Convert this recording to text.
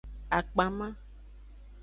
Akpama.